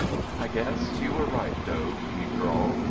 "I guess you were right, Dode," he drawled.